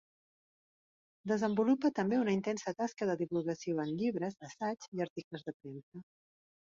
Desenvolupa també una intensa tasca de divulgació en llibres, assaigs i articles de premsa.